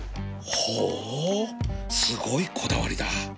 ほうすごいこだわりだ